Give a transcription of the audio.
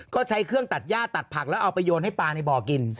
ก็ใช้เครื่องตัดย่าตัดผักแล้วเอาไปโยนให้ปลาในบ่อกิน